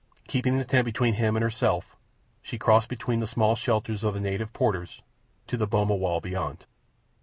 Keeping the tent between him and herself, she crossed between the small shelters of the native porters to the boma wall beyond.